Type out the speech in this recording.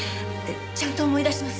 ちゃんと思い出します。